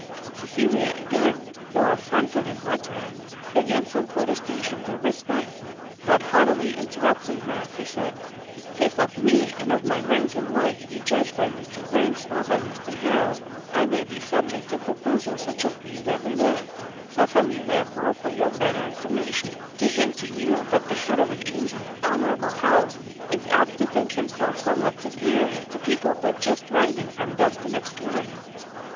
Cecilia again, though affronted in her turn, began some protestations of respect; but haughtily interrupting her, he said, "If of me, and of my rank in life you judge by Mr Briggs or by Mr Harrel, I may be subject to proposals such as these every day; suffer me, therefore, for your better information, to hint to you, that the head of an ancient and honourable house, is apt to think himself somewhat superior to people but just rising from dust and obscurity."